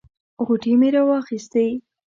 غوټې مې راواخیستې.